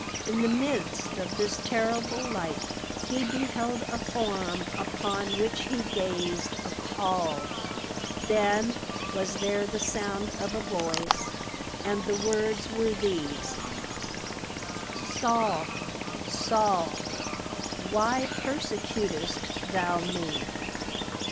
In the midst of this terrible light he beheld a form upon which he gazed appalled; then was there the sound of a voice, and the words were these: "Saul, Saul, why persecutest thou me?"